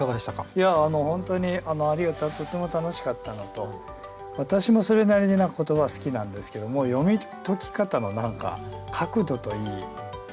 いや本当にありがたくとっても楽しかったのと私もそれなりに言葉好きなんですけども読み解き方の角度といい広がりといい